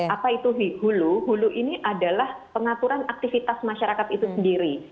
apa itu hulu hulu ini adalah pengaturan aktivitas masyarakat itu sendiri